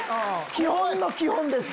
基本の基本です。